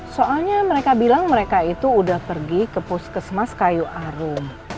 soalnya mereka bilang mereka itu udah pergi ke puskesmas kayu arum